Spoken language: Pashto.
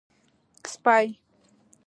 🐕 سپۍ